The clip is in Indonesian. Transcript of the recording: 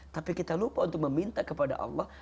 tapi kita lupa untuk meminta kepada allah